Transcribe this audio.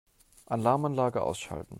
Alarmanlage ausschalten.